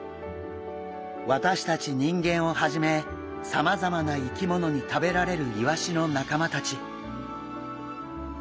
私たち人間をはじめさまざまな生き物に食べられるイワシの仲間たち。